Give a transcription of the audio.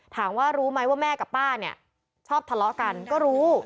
ถามว่ารู้ไหมว่าแม่กับป้าเนี่ยชอบทะเลาะกันก็รู้